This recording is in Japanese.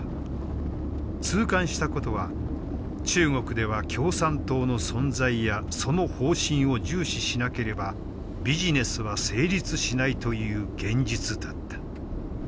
痛感したことは中国では共産党の存在やその方針を重視しなければビジネスは成立しないという現実だった。